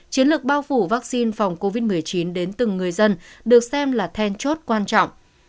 chiến lược bao phủ vaccine phòng covid một mươi chín đến từng người dân được xem là then chốt quan trọng